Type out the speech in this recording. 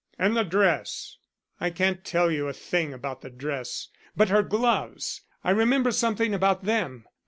And the dress?" "I can't tell you a thing about the dress. But her gloves I remember something about them.